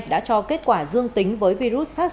đã cho kết quả dương tính với virus sars cov hai